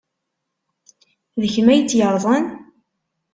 D kemm ay tt-yerẓan?